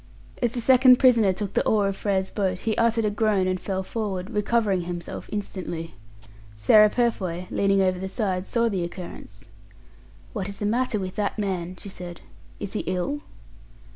As the second prisoner took the oar of Frere's boat, he uttered a groan and fell forward, recovering himself instantly. Sarah Purfoy, leaning over the side, saw the occurrence. "What is the matter with that man?" she said. "Is he ill?"